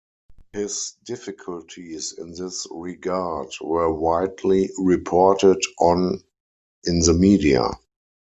His difficulties in this regard were widely reported on in the media.